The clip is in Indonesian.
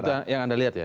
itu yang anda lihat ya